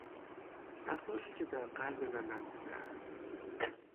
اسراری که در قلب من نهفته است